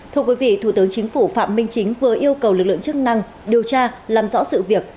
thưa quý vị thủ tướng chính phủ phạm minh chính vừa yêu cầu lực lượng chức năng điều tra làm rõ sự việc